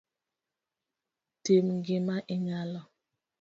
Tim gima inyalo